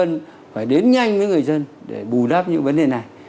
dân phải đến nhanh với người dân để bù đắp những vấn đề này